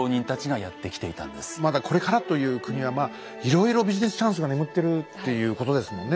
まだこれからという国はまあいろいろビジネスチャンスが眠ってるっていうことですもんね。